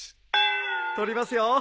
撮りますよ。